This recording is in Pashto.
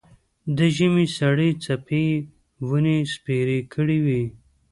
د ژمي سړې څپې یې ونې سپېرې کړې وې.